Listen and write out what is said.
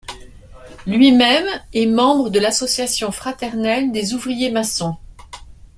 Lui-même est membre de l'Association fraternelle des ouvriers maçons.